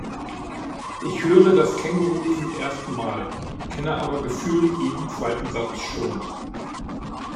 Ich höre das Känguruh zum ersten Mal, kenne aber gefühlt jeden zweiten Satz schon.